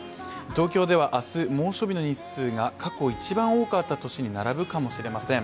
東京では明日、猛暑日の日数が過去一番多かった年に並ぶかもしれません。